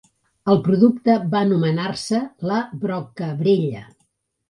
El producte va anomenar-se la Brockabrella.